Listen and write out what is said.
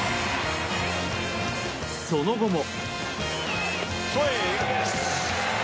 その後も。